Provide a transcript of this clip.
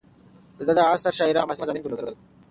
د ده د عصر شاعرانو حماسي مضامین لرل.